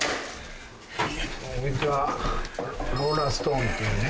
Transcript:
こいつはローラーストーンっていうね